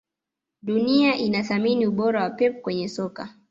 Dunia inathamini ubora wa Pep kwenye soka